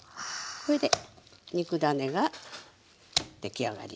これで肉ダネが出来上がりです。